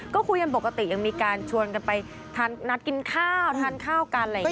ก็คุยกันปกติยังมีการชวนกันไปนัดกินข้าวทานข้าวกันอะไรอย่างนี้